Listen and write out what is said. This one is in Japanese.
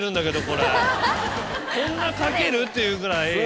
こんなかける？っていうぐらい。